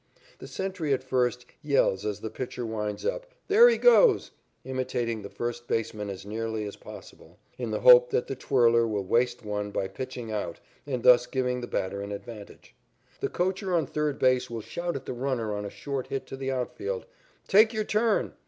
The sentry at first yells as the pitcher winds up, "There he goes!" imitating the first baseman as nearly as possible, in the hope that the twirler will waste one by pitching out and thus give the batter an advantage. The coacher on third base will shout at the runner on a short hit to the outfield, "Take your turn!"